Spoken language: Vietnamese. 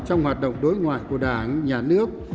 trong hoạt động đối ngoại của đảng nhà nước